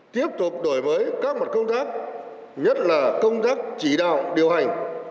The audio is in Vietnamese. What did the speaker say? tiếp tục đổi mới các mặt công tác nhất là công tác chỉ đạo điều hành